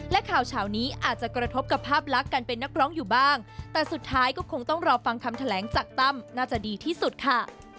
และข่าวเช้านี้อาจจะกระทบกับภาพลักษณ์การเป็นนักร้องอยู่บ้างแต่สุดท้ายก็คงต้องรอฟังคำแถลงจากตั้มน่าจะดีที่สุดค่ะ